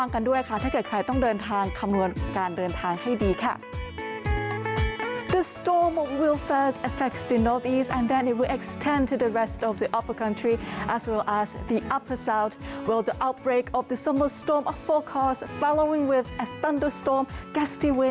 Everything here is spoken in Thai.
การเดินทางให้ดีค่ะ